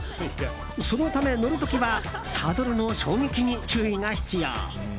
そのため、乗る時はサドルの衝撃に注意が必要。